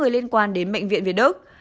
liên quan đến bệnh viện việt đức